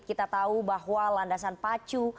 kita tahu bahwa landasan pacu